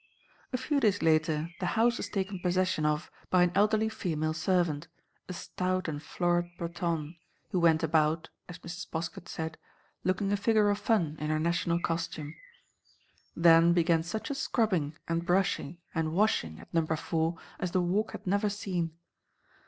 A few days later the house was taken possession of by an elderly female servant—a stout and florid Bretonne, who went about, as Mrs. Poskett said, looking a figure of fun in her national costume. Then began such a scrubbing and brushing and washing at Number Four as the Walk had never seen.